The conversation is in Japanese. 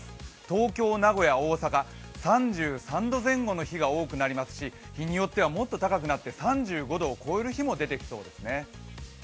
東京、名古屋、大阪、３３度前後の日が多くなりますし日によっては最も高くなって３５度を超える日もありそうですね。